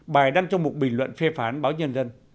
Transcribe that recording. bài đăng trong một bình luận phê phán báo nhân dân